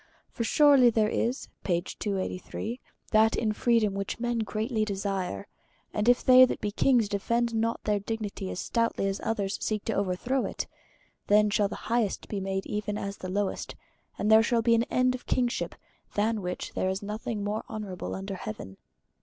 For surely there is that in freedom which men greatly desire, and if they that be kings defend not their dignity as stoutly as others seek to overthrow it, then shall the highest be made even as the lowest, and there shall be an end of kingship, than which there is nothing more honorable under heaven."